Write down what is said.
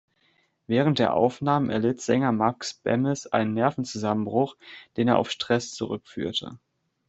Während der Aufnahmen erlitt Sänger Max Bemis einen Nervenzusammenbruch, den er auf Stress zurückführte.